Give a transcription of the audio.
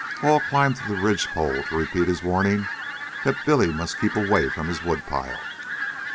Hall climbed to the ridge pole to repeat his warning that Billy must keep away from his wood pile.